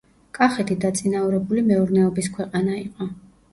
კახეთი დაწინაურებული მეურნეობის ქვეყანა იყო.